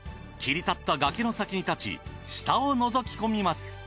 切り立った崖の先に立ち下をのぞき込みます。